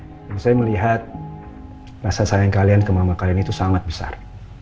kalau saya melihat rasa sayang kalian ke mama kalian itu sangat besar